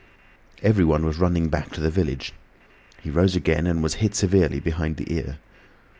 Everyone was running back to the village. He rose again and was hit severely behind the ear.